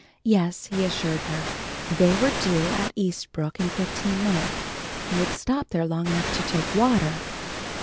Yes, he assured her, they were due at Eastbrook in fifteen minutes and would stop there long enough to take water.